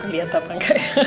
lihat apa gak ya